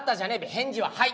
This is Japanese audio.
返事は「はい」。